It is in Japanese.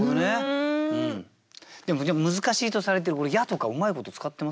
でも難しいとされてる「や」とかうまいこと使ってません？